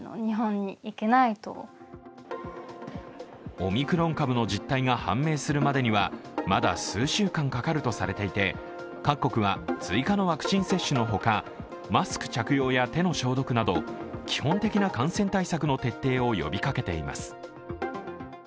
オミクロン株の実態が判明するまでにはまだ数週間かかるとされていて各国は追加のワクチン接種のほか、マスク着用や手の消毒など基本的な感染対策の徹底を呼びかけています。